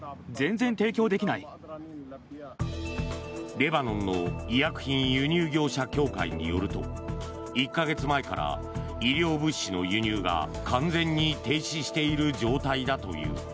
レバノンの医薬品輸入業者協会によると１か月前から医療物資の輸入が完全に停止している状態だという。